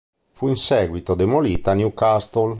Fu in seguito demolita Newcastle.